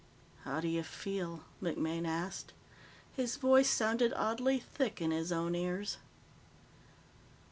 "How do you feel?" MacMaine asked. His voice sounded oddly thick in his own ears.